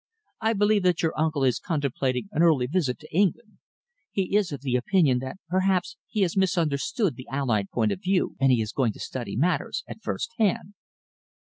I believe that your uncle is contemplating an early visit to England. He is of the opinion that perhaps he has misunderstood the Allied point of view, and he is going to study matters at first hand."